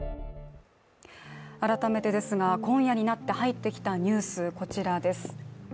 改めてですが、今夜になってきて入ってきたニュース、こちらです。